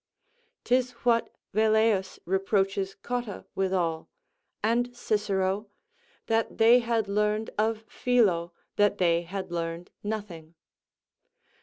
'Tis what Velleius reproaches Cotta withal and Cicero, "that they had learned of Philo, that they had learned nothing."